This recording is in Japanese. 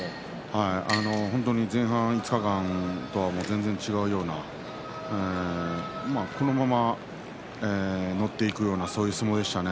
本当に前半５日間とは全然違うようなこのまま乗っていくようなそういう相撲でしたね。